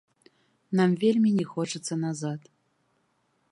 Нам вельмі не хочацца назад.